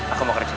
aku mau kerja